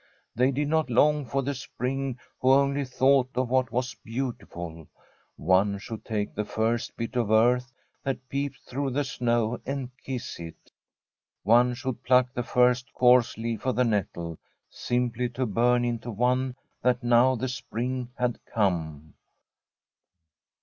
They did not long for the spring who only thought of what was beautiful. One should take the first bit of earth that peeped through the snow» and kiss it. One should pluck the first coarse leaf of the nettle simply to bum into one that now the spring had come.